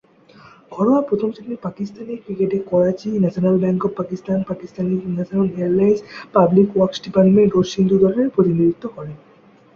ঘরোয়া প্রথম-শ্রেণীর পাকিস্তানি ক্রিকেটে Karachi, national bank of Pakistan, Pakistan international airlines, public works department ও সিন্ধু দলের প্রতিনিধিত্ব করেন।